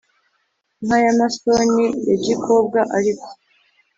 nkayamasoni yagikobwa ariko